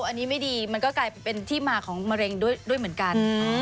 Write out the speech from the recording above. อันนี้ไม่ดีมันก็กลายเป็นที่มาของมะเร็งด้วยเหมือนกัน